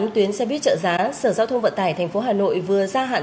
tuyến xe buýt trợ giá sở gia thông vận tải tp hà nội vừa gia hạn